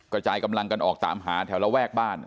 กระจายกำลังกันออกตามหาแถวระแวกบ้าน